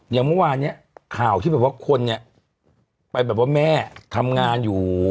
อย่างเมื่อวานเนี่ยข่าวที่แบบว่าคนเนี่ยไปแบบว่าแม่ทำงานอยู่